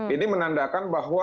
ini menandakan bahwa